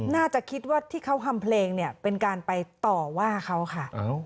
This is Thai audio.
น่าจะคิดว่าที่เขาทำเพลงเนี่ยเป็นการไปต่อว่าเขาค่ะ